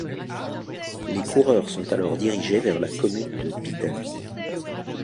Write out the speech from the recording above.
Les coureurs sont alors dirigés vers la commune de Pittem.